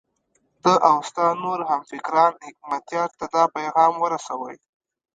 ته او ستا نور همفکران حکمتیار ته دا پیغام ورسوئ.